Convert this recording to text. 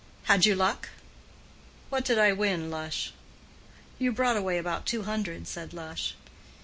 "Had you luck?" "What did I win, Lush?" "You brought away about two hundred," said Lush.